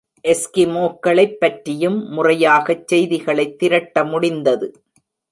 எஸ்கிமோக்களைப் பற்றியும் முறையாகச் செய்திகளைத் திரட்ட முடிந்தது.